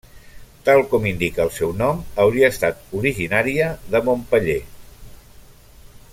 Tal com indica el seu nom, hauria estat originària de Montpeller.